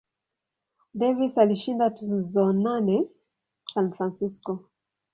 Davis alishinda tuzo nane San Francisco.